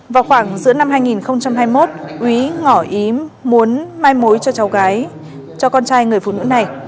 vào khoảng giữa năm hai nghìn hai mươi một úy ngỏ ý muốn mai mối cho cháu gái cho con trai người phụ nữ này